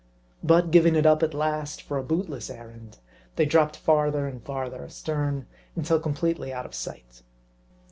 But giving it up at last, for a bootless errand, they M A R D I. 57 dropped farther and farther astern, until completely out of sight.